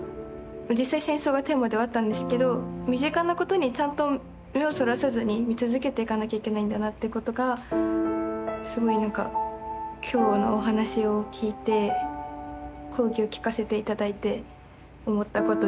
実際戦争がテーマではあったんですけど身近なことにちゃんと目をそらさずに見続けていかなきゃいけないんだなっていうことがすごい何か今日のお話を聴いて講義を聴かせて頂いて思ったことです。